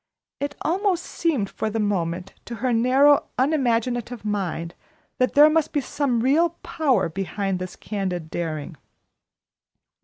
It almost seemed for the moment to her narrow, unimaginative mind that there must be some real power behind this candid daring.